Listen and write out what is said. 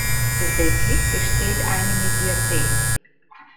Zusätzlich besteht eine Mediathek.